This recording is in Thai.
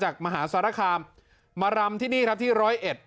มหาสารคามมารำที่นี่ครับที่ร้อยเอ็ด